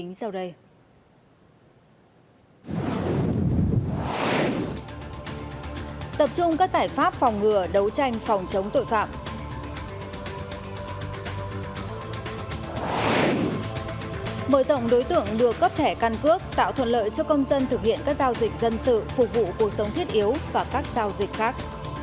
mở rộng đối tượng đưa cấp thẻ căn cước tạo thuận lợi cho công dân thực hiện các giao dịch dân sự phục vụ cuộc sống thiết yếu và các giao dịch khác